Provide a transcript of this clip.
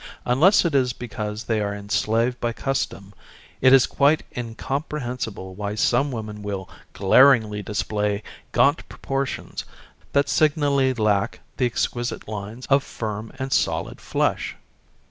Unless it is because they are enslaved by custom, it is quite incomprehensible why some women will glaringly display gaunt proportions that signally lack the exquisite lines of firm and solid flesh.